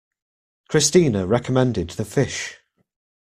Christina recommended the fish.